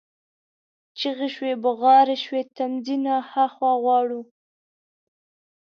چیغي شوې، بغارې شوې: تمځي نه ها خوا غواړو،